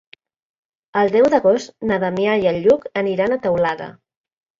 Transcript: El deu d'agost na Damià i en Lluc aniran a Teulada.